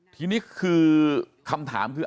ทีนี้คือคำถามคือ